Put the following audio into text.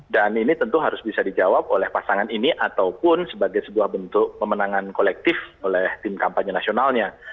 dan ini tentu harus bisa dijawab oleh pasangan ini ataupun sebagai sebuah bentuk pemenangan kolektif oleh tim kampanye nasionalnya